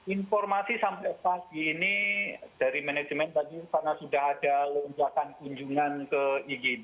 informasi sampai pagi ini dari manajemen tadi karena sudah ada lonjakan kunjungan ke igd